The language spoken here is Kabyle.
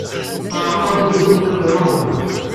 Tɛeṛeq-aɣ tudert mi iṛuḥ zzheṛ!